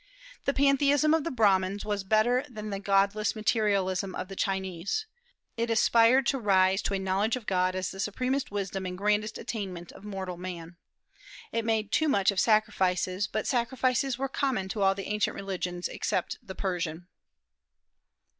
The pantheism of the Brahmans was better than the godless materialism of the Chinese. It aspired to rise to a knowledge of God as the supremest wisdom and grandest attainment of mortal man. It made too much of sacrifices; but sacrifices were common to all the ancient religions except the Persian.